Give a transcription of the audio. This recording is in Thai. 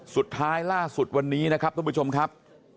ล่าสุดวันนี้นะครับทุกผู้ชมครับ